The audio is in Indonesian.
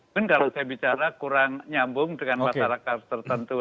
mungkin kalau saya bicara kurang nyambung dengan masyarakat tertentu